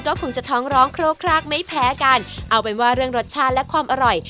ก็คงจะท้องร้องโครกครากไม่แพ้กันเอาเป็นว่าเรื่องรสชาติและความอร่อย